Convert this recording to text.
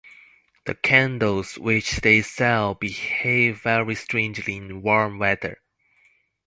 The candles which they sell behave very strangely in warm weather.